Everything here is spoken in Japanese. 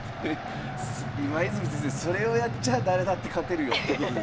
今泉先生それをやっちゃあ誰だって勝てるよってことですね？